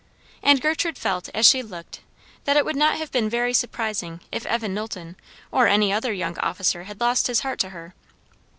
And Gertrude felt as she looked that it would not have been very surprising if Evan Knowlton or any other young officer had lost his heart to her.